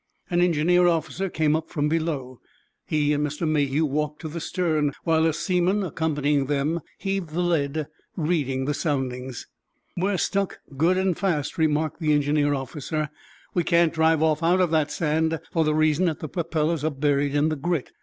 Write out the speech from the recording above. An engineer officer came up from below. He and Mr. Mayhew walked to the stern, while a seaman, accompanying them, heaved the lead, reading the soundings. "We're stuck good and fast," remarked the engineer officer. "We can't drive off out of that sand for the reason that the propellers are buried in the grit.